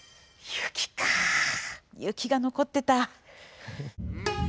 雪が残ってた。